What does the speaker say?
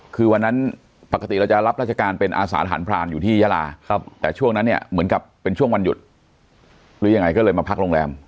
คือวันนั้นปกติเราจะรับราชการเป็นอาสาทหารพรานอยู่ที่ยาลาแต่ช่วงนั้นเนี่ยเหมือนกับเป็นช่วงวันหยุดหรือยังไงก็เลยมาพักโรงแรม